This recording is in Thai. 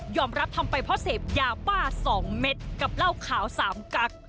ยอมรับทำไปเพราะเสพยาป้าสองเม็ดกับเหล้าขาวสามกัก